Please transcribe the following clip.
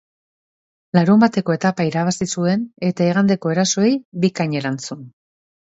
Larunbateko etapa irabazi zuen, eta igandeko erasoei bikain erantzun.